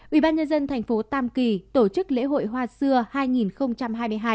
ubnd thành phố tam kỳ tổ chức lễ hội hoa xưa hai nghìn hai mươi hai